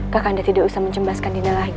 kakanda tidak usah mencembaskan dinda lagi